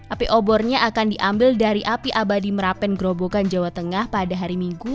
api obornya akan diambil dari api abadi merapen gerobokan jawa tengah pada hari minggu